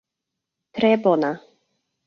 Tre bona.